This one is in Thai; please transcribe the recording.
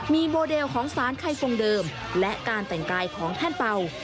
มีโมเดลของสารไข่ทรงเดิมและการแต่งกายของแท่นเป่า